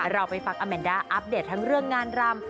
เราไปฟังอาแมนด้าอัปเดตทั้งเรื่องงานรำ